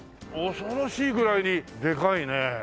恐ろしいぐらいにでかいね。